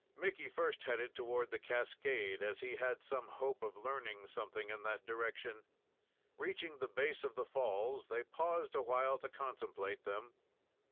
Mickey first headed toward the cascade, as he had some hope of learning something in that direction. Reaching the base of the falls, they paused a while to contemplate them.